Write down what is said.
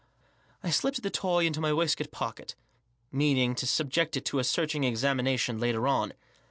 I slipped the toy into my waistcoat pocket, meaning to subject it to a searching examination later on.